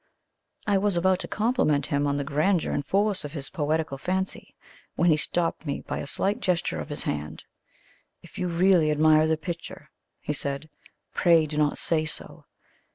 I was about to compliment him on the grandeur and force of his poetical fancy, when he stopped me by a slight gesture of his hand. "If you really admire the picture," he said, "pray do not say so.